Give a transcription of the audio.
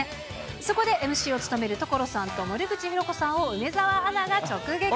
そこでＭＣを務める所さんと、森口博子さんを、梅澤アナが直撃。